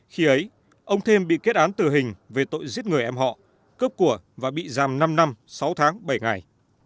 khi ấy ông thêm bị kết án tử hình về tội giết người em họ cướp của và bị giam năm năm sáu tháng bảy ngày